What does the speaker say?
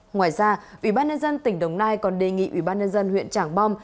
ngoài ra ủy ban nhân dân tỉnh đồng nai còn đề nghị ủy ban nhân dân huyện trảng bom